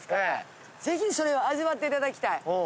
ぜひそれを味わって頂きたい。